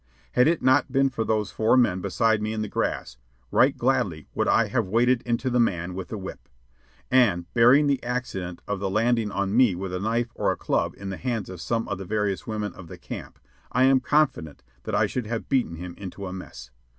Had it not been for those four men beside me in the grass, right gladly would I have waded into the man with the whip. And, barring the accident of the landing on me with a knife or a club in the hands of some of the various women of the camp, I am confident that I should have beaten him into a mess.